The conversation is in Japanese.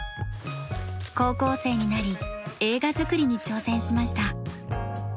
高校生になり映画作りに挑戦しました。